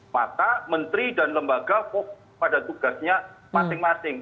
maka menteri dan lembaga fokus pada tugasnya masing masing